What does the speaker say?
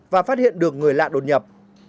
và phát hiện được người lạ đột nhập